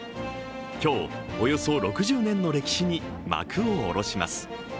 今日、およそ６０年の歴史に幕を下ろします。